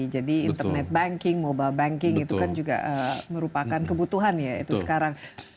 jadi internet banking mobile banking itu kan juga merupakan kebutuhan ya itu sekarang